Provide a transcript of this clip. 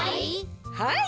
はい。